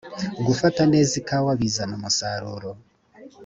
gufata neza ikawa bizana umusaruro